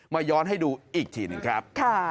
ย้อนให้ดูอีกทีหนึ่งครับ